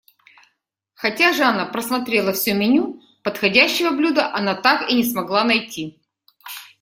Хотя Жанна просмотрела всё меню, подходящего блюда она так и не смогла найти.